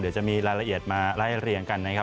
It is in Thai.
เดี๋ยวจะมีรายละเอียดมาไล่เรียงกันนะครับ